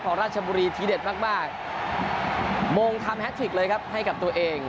เพราะราชบุรีทีเด็ดมากมงทำเลยครับให้กับตัวเอง